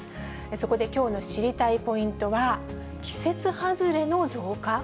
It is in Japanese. そこできょうの知りたいポイントは、季節外れの増加？